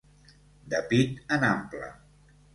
De pit en ample.